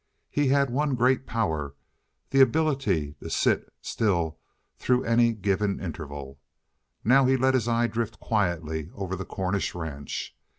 He had one great power the ability to sit still through any given interval. Now he let his eye drift quietly over the Cornish ranch.